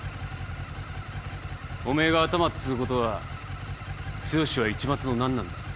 おめえがアタマっつうことは剛は市松の何なんだ？